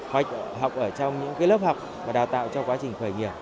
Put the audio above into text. hoặc học ở trong những lớp học và đào tạo trong quá trình khởi nghiệp